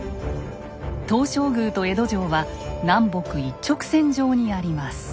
東照宮と江戸城は南北一直線上にあります。